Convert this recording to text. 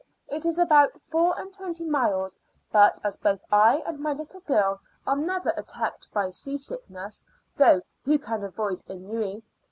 It is about four and twenty miles but as both I and my little girl are never attacked by sea sickness though who can avoid ennui?